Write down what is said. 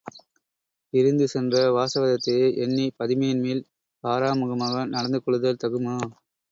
பிரிந்து சென்ற வாசவதத்தையை எண்ணிப் பதுமையின்மேல் பாராமுகமாக நடந்து கொள்ளுதல் தகுமா?